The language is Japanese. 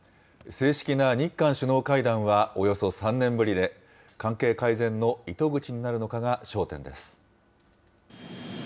正式な日韓首脳会談はおよそ３年ぶりで、関係改善の糸口になるのかが焦点です。